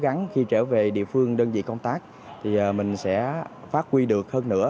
cố gắng khi trở về địa phương đơn vị công tác thì mình sẽ phát huy được hơn nữa